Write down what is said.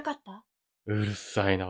うるさいな。